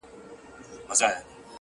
• پر کومي لوري حرکت وو حوا څه ډول وه،